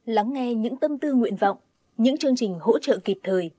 lắng nghe những tâm tư nguyện vọng những chương trình hỗ trợ kịp thời